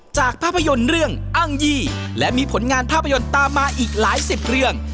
จากภาพยนตร์เรื่องอ้างยี่และมีผลงานภาพยนตร์ตามมาอีกหลายสิบเรื่อง